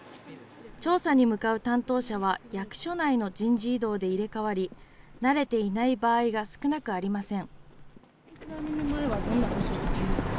調査に向かう担当者は役所内の人事異動で入れ替わり、慣れていない場合が少なくありません。